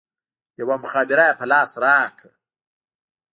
يوه مخابره يې په لاس راکړه.